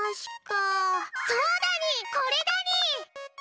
そうだにぃこれだにぃ！